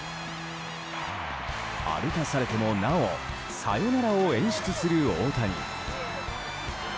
歩かされてもなおサヨナラを演出する大谷。